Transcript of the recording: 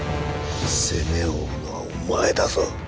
責めを負うのはお前だぞ。